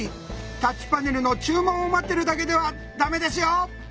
タッチパネルの注文を待ってるだけではダメですよ！